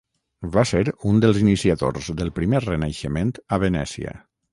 Va ser un dels iniciadors del primer Renaixement a Venècia.